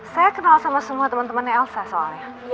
saya kenal sama semua temen temennya elsa soalnya